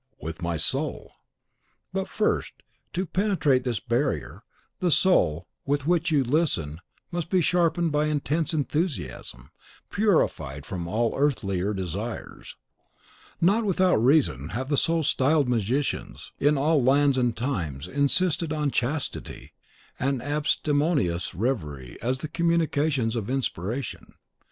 "With my soul!" "But first, to penetrate this barrier, the soul with which you listen must be sharpened by intense enthusiasm, purified from all earthlier desires. Not without reason have the so styled magicians, in all lands and times, insisted on chastity and abstemious reverie as the communicants of inspiration.